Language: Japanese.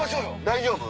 大丈夫？